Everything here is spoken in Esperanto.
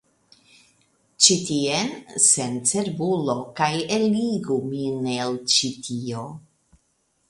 Ĉi tien, sencerbulo, kaj eligu min el ĉi tio.